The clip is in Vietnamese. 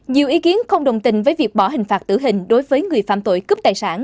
nhiều ý kiến không đồng tình với việc bỏ hình phạt tử hình đối với người phạm tội cướp tài sản